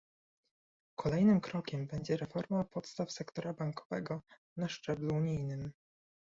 Kolejnym krokiem będzie reforma podstaw sektora bankowego na szczeblu unijnym